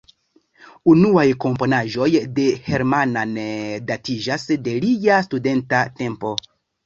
Unuaj komponaĵoj de Hermann datiĝas de lia studenta tempo.